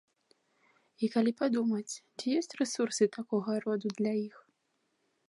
І калі падумаць, ці ёсць рэсурсы такога роду для іх?